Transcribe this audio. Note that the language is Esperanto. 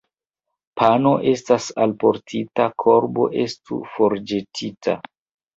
Pano estas alportita, korbo estu forĵetita.